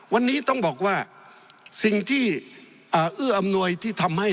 วันนี้ต้องบอกว่าสิ่งที่อื้ออำนวยที่ทำให้